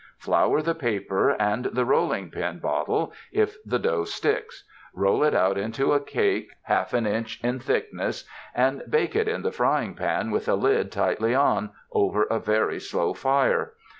Flour the paper and the rolling pin 290 CAMP COOKERY bottle, if the dough sticks ; roll it out into a cake hall an inch in thickness, and bake it in the frying pan with a lid tightly on, over a very slow fire.